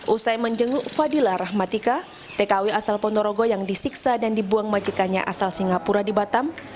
usai menjenguk fadila rahmatika tkw asal ponorogo yang disiksa dan dibuang majikannya asal singapura di batam